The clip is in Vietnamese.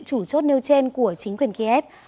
chủ chốt nêu trên của chính quyền kiev